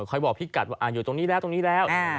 บอกพี่กัดว่าอยู่ตรงนี้แล้วตรงนี้แล้ว